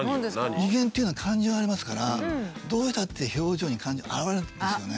人間っていうのは感情がありますからどうしたって表情に感情が表れるんですよね。